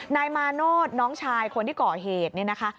นายมาโนธน้องชายคนที่ก่อเหตุเนี่ยนะคะ